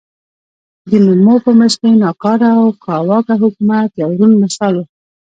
د مومو په مشرۍ ناکاره او کاواکه حکومت یو روڼ مثال و.